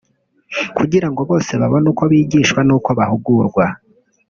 kugira ngo bose babone uko bigishwa n’uko bahugurwa